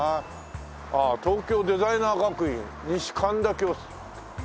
ああ「東京デザイナー学院西神田」。